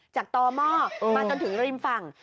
ต่อหม้อมาจนถึงริมฝั่ง